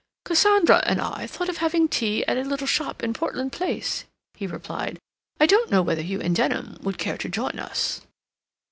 "Cassandra and I thought of having tea at a little shop in Portland Place," he replied. "I don't know whether you and Denham would care to join us."